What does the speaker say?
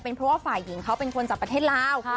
เพราะว่าฝ่ายหญิงเขาเป็นคนจากประเทศลาว